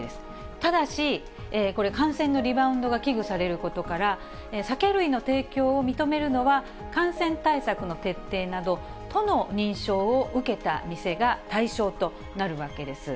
ただし、これ、感染のリバウンドが危惧されることから、酒類の提供を認めるのは、感染対策の徹底など、都の認証を受けた店が対象となるわけです。